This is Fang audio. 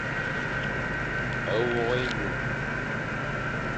Wôkh ényum.